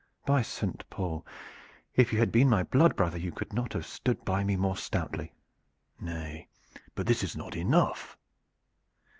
By Saint Paul! if you had been my blood brother you could not have stood by me more stoutly." "Nay! but this is not enough."